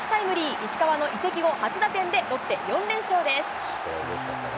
石川の移籍後初打点で、ロッテ４連勝です。